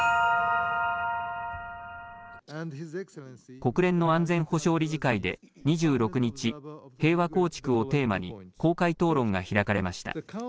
国連の安全保障理事会で２６日、平和構築をテーマに、公開討論が開かれました。